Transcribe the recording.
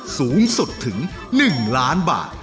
สูงสุดถึง๑ล้านบาท